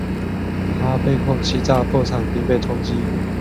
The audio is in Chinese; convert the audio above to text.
他被控欺诈破产并被通缉。